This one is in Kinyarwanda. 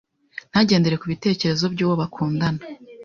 nta gendere ku bitekerezo by’uwo bakundana.